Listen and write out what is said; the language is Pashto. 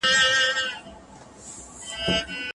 - نعیم ازهر، شاعر.